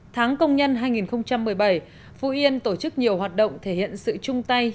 tháng công nhân hai nghìn một mươi bảy phú yên tổ chức nhiều hoạt động thể hiện sự chung tay